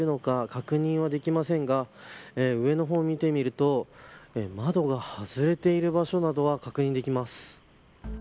確認はできませんが上の方を見てみると窓が外れている場所などが確認できます。